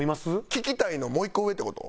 「聴きたい」のもう１個上って事？